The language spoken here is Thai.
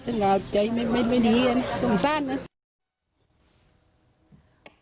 จึงก็ใจไม่ดีกันของสั้นน่ะ